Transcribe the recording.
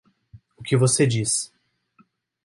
O que você diz